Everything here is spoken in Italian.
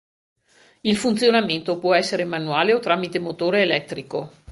Il funzionamento può essere manuale o tramite motore elettrico.